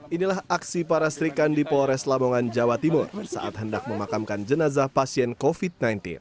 inilah aksi para serikan di polres lamongan jawa timur saat hendak memakamkan jenazah pasien covid sembilan belas